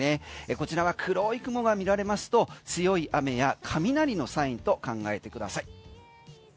こちらは黒い雲が見られますと強い雨や雷のサインと考えてください。